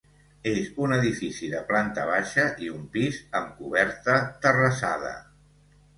És un edifici de planta baixa i un pis amb coberta terrassada.